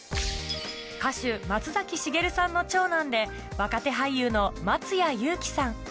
歌手松崎しげるさんの長男で若手俳優の松谷優輝さん